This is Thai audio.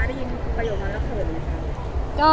อเรนนี่แย่งพี่หนึ่งในใจ